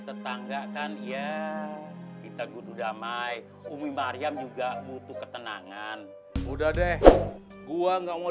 tetangga kan iya kita gududamai umi maryam juga butuh ketenangan udah deh gua nggak mau